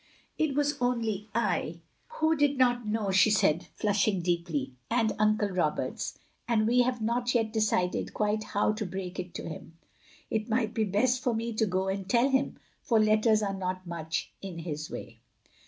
It was only I — who did not know —" she said, flushing deeply, and Uncle Roberts; and we have not yet decided quite how to break it to him. It might be best for me to go and tell him, for letters are not much in his way.